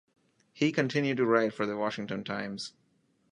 He continued to write for "The Washington Times".